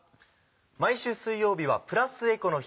毎週水曜日はプラスエコの日。